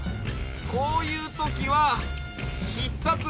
こういうときはひっさつ！